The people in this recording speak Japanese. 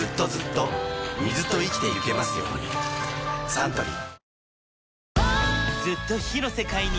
サントリー